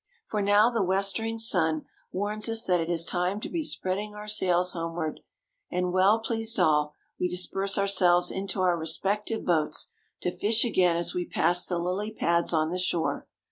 For now the westering sun warns us that it is time to be spreading our sails homeward; and, well pleased all, we disperse ourselves into our respective boats, to fish again as we pass the lily pads on the shore.